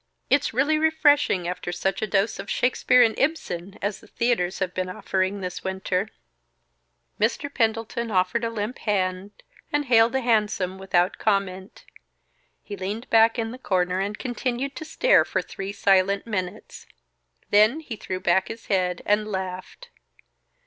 It's really refreshing after such a dose of Shakespeare and Ibsen as the theaters have been offering this winter." Mr. Pendleton offered a limp hand and hailed a hansom without comment. He leaned back in the corner and continued to stare for three silent minutes; then he threw back his head and laughed.